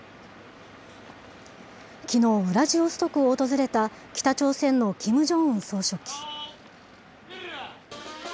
きのう、ウラジオストクを訪れた北朝鮮のキム・ジョンウン総書記。